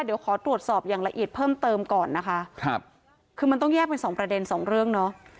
เดี๋ยวขอตรวจสอบอย่างละเอียดเพิ่มเติมก่อนนะคะครับคือมันต้องแยกเป็นสองประเด็นสองเรื่องเนาะ